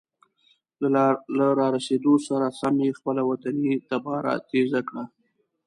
له را رسیدو سره سم یې خپله وطني تباره تیزه کړه.